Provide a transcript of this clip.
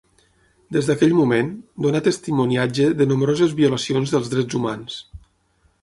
Des d'aquell moment, donà testimoniatge de nombroses violacions dels drets humans.